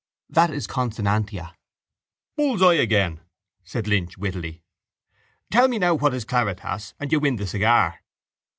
That is consonantia. —Bull's eye again! said Lynch wittily. Tell me now what is claritas and you win the cigar.